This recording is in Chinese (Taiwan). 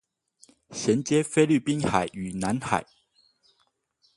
銜接菲律賓海與南海